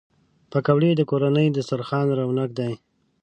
پکورې د کورني دسترخوان رونق دي